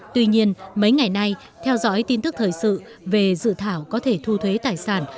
tuy nhiên mấy ngày nay theo dõi tin tức thời sự về dự thảo có thể thu thuế tài sản